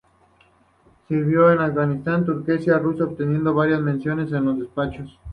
Sirvió en Afganistán, Turquestán y Rusia, obteniendo varias menciones en los despachos.